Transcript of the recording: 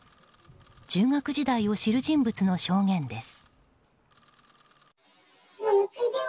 中学時代を知る人物の証言です。